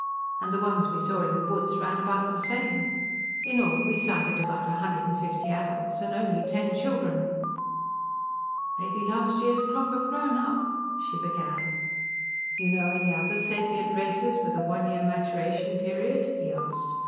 And the ones we saw in the woods ran about the same. In all, we sighted about a hundred and fifty adults and only ten children." "Maybe last year's crop have grown up," she began. "You know any other sapient races with a one year maturation period?" he asked.